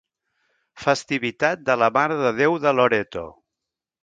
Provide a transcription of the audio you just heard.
Festivitat de la Mare de Déu de Loreto.